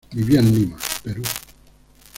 Vivía en Lima, Perú.